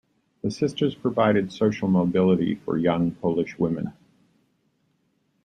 The sisters provided social mobility for young Polish women.